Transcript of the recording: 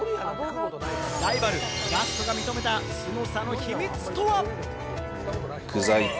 ライバル、ガストが認めたすごさの秘密とは？